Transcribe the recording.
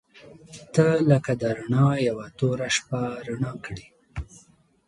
• ته لکه د رڼا یوه توره شپه رڼا کړې.